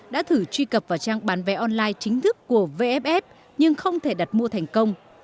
đã thử truy cập vào trang bán vé online chính thức của vff nhưng không thể đặt mua thành công